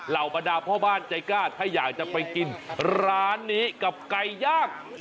บรรดาพ่อบ้านใจกล้าถ้าอยากจะไปกินร้านนี้กับไก่ย่าง